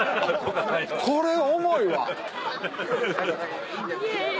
これ重いわ！